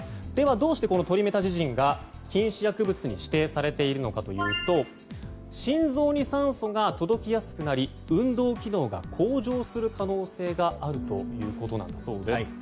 では、どうしてこのトリメタジジンが禁止薬物に指定されているのかというと心臓に酸素が届きやすくなり運動機能が向上する可能性があるということなんだそうです。